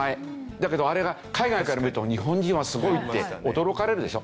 だけどあれが海外から見ると「日本人はすごい！」って驚かれるでしょ？